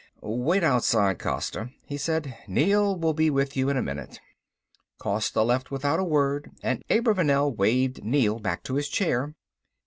"Wait outside Costa," he said, "Neel will be with you in a minute." Costa left without a word and Abravanel waved Neel back to his chair.